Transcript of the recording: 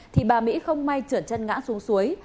thì bà mỹ không may trượt chân ngã xuống suối